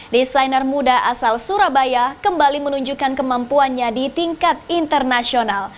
desainer muda asal surabaya kembali menunjukkan kemampuannya di tingkat internasional